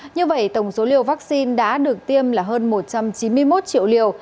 như vậy tổng số liều vaccine đã được tiêm là hơn một trăm chín mươi một triệu liều